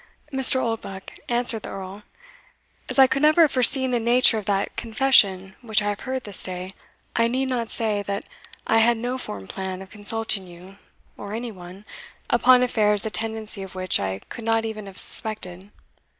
"Mr. Oldbuck," answered the Earl, "as I could never have foreseen the nature of that confession which I have heard this day, I need not say that I had no formed plan of consulting you, or any one, upon affairs the tendency of which I could not even have suspected.